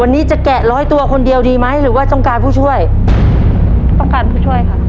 วันนี้จะแกะร้อยตัวคนเดียวดีไหมหรือว่าต้องการผู้ช่วยต้องการผู้ช่วยค่ะ